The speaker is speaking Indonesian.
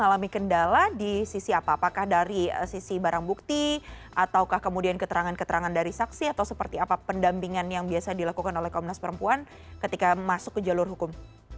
mengalami kendala di sisi apa apakah dari sisi barang bukti ataukah kemudian keterangan keterangan dari saksi atau seperti apa pendampingan yang biasa dilakukan oleh komnas perempuan ketika masuk ke jalur hukum